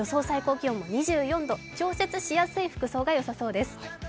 最高気温は２４度調節しやすい服装がよさそうです。